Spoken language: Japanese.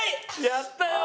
やったよ！